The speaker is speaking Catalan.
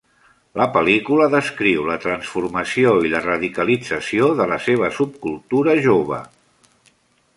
La pel·lícula descriu la transformació i la radicalització de la seva subcultura jove.